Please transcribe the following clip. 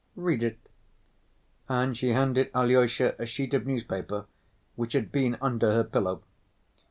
Read it." And she handed Alyosha a sheet of newspaper which had been under her pillow.